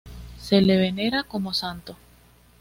Se le venera como santo.